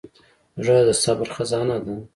زړه د صبر خزانه ده.